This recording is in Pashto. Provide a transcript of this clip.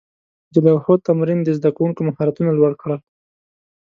د لوحو تمرین د زده کوونکو مهارتونه لوړ کړل.